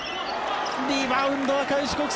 リバウンドは開志国際。